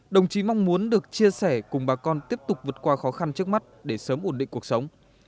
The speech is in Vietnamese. đồng chí mong muốn được chia sẻ cùng bà con tiếp tục vượt qua khó khăn trước mắt để sớm ổn định cuộc sống